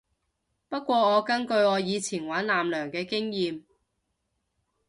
不過我根據我以前玩艦娘嘅經驗